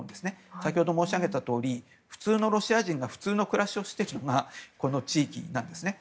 先ほど申し上げたとおり普通のロシア人が普通の暮らしをしている地域なんですね。